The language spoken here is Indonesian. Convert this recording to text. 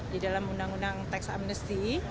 di dalam undang undang tax amnesty